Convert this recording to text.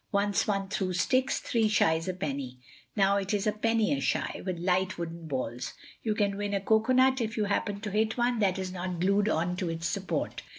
Once one threw sticks, three shies a penny. Now it is a penny a shy, with light wooden balls. You can win a coconut if you happen to hit one that is not glued onto its support.